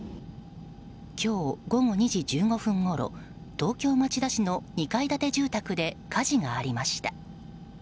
今日午後２時１５分ごろ東京・町田市の２階建て住宅で火事がありました。